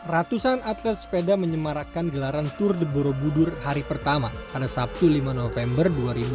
ratusan atlet sepeda menyemarakan gelaran tour de borobudur hari pertama pada sabtu lima november dua ribu dua puluh